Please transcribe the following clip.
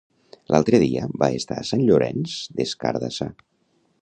L'altre dia vaig estar a Sant Llorenç des Cardassar.